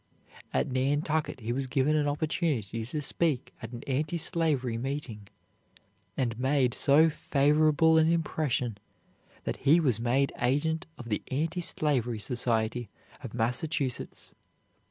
At Nantucket he was given an opportunity to speak at an anti slavery meeting, and made so favorable an impression that he was made agent of the Anti Slavery Society of Massachusetts.